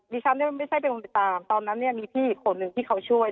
ฉันไม่ใช่เป็นคนไปตามตอนนั้นเนี่ยมีพี่อีกคนหนึ่งที่เขาช่วย